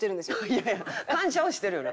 いやいや感謝はしてるよな。